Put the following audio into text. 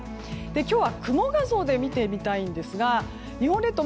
今日は雲画像で見てみたいんですが日本列島